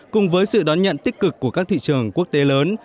cùng với sự đón nhận tích cực của các thị trường quốc tế lớn